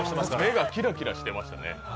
目がキラキラしてましたね。